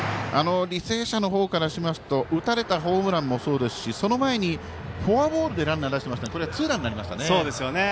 履正社の方からしますと打たれたホームランもそうですし、その前にフォアボールでランナー出ていたのでツーランになりましたよね。